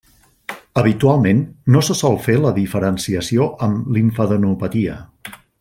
Habitualment no se sol fer la diferenciació amb limfadenopatia.